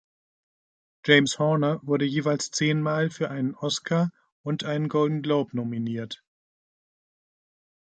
James Horner wurde jeweils zehnmal für einen Oscar und einen Golden Globe nominiert.